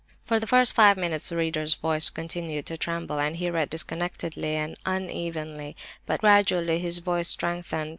For the first five minutes the reader's voice continued to tremble, and he read disconnectedly and unevenly; but gradually his voice strengthened.